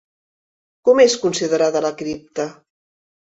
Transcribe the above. Com és considerada la cripta?